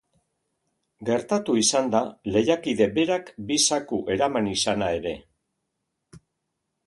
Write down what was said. Gertatu izan da lehiakide berak bi zaku eraman izana ere.